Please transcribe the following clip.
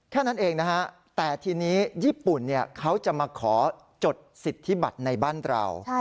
แค่นั้นเองนะฮะแต่ทีนี้ญี่ปุ่นเขาจะมาขอจดสิทธิบัตรในบ้านเรา